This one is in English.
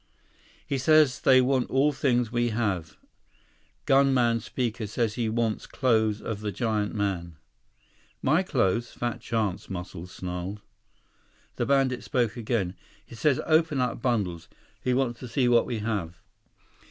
123 "He says they want all things we have. Gun man speaker says he wants clothes of the giant man." "My clothes! Fat chance," Muscles snarled. The bandit spoke again. "He says open up bundles. He wants to see what we have."